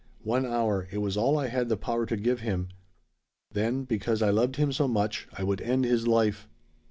One hour it was all I had the power to give him. Then because I loved him so much I would end his life."